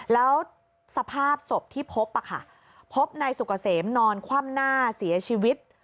แล้วสภาพศพที่พบพบนายสุกเกษมนอนคว่ำหน้าเสียชีวิต